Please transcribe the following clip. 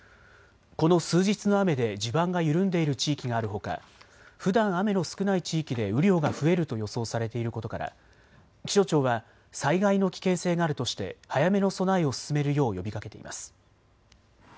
この数日の雨で地盤が緩んでいる地域があるほかふだん雨の少ない地域で雨量が増えると予想されていることから気象庁は災害の危険性があるとして早めの備えを進めるよう呼びかけています。